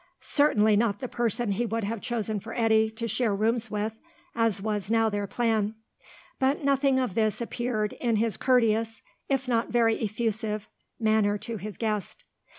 Certainly not the person he would have chosen for Eddy to share rooms with, as was now their plan. But nothing of this appeared in his courteous, if not very effusive, manner to his guest.